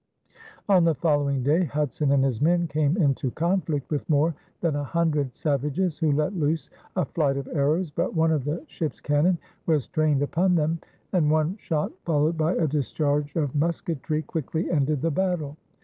On the following day Hudson and his men came into conflict with more than a hundred savages, who let loose a flight of arrows. But one of the ship's cannon was trained upon them, and one shot followed by a discharge of musketry quickly ended the battle.